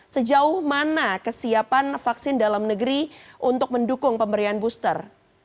sejauh mana kesiapan vaksin dalam negeri untuk mendukung pemberian booster